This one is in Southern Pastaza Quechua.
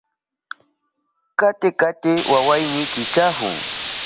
Kati kati wawayni kichahun.